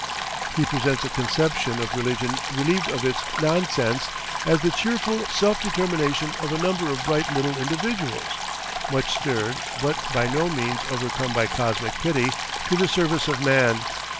He presents a conception of religion relieved of its "nonsense" as the cheerful self determination of a number of bright little individuals (much stirred but by no means overcome by Cosmic Pity) to the Service of Man.